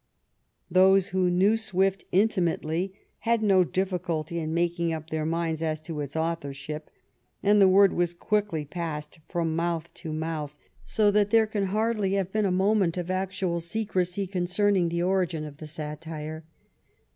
Those who knew Swift intimately had no difficulty in making up their minds as to its authorship, and the word was quickly passed from mouth to mouth, so that there can hardly have been a moment of actual secrecy concerning the origin of the satire.